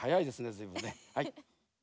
ずいぶんねはい。